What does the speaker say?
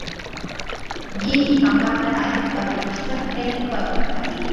jean kambanda alikubali mashtaka yalikuwa yakimkabili